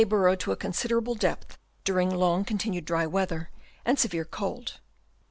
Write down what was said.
burrow to a considerable depth during long continued dry weather and severe cold.